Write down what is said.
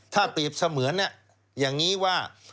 ถ้าเปรียบเสมือนอย่างนี้ว่า